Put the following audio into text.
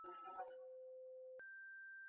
او په ما هغه میین شاعر،